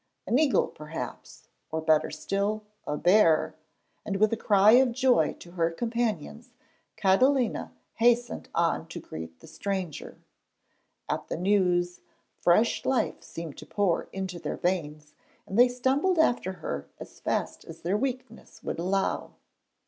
An eagle perhaps, or, better still, a bear; and with a cry of joy to her companions, Catalina hastened on to greet the stranger. At the news, fresh life seemed to pour into their veins and they stumbled after her as fast as their weakness would allow.